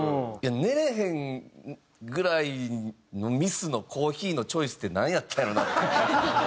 寝れへんぐらいのミスのコーヒーのチョイスってなんやったんやろうなっていう。